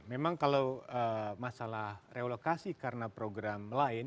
memang kalau masalah relokasi karena program lain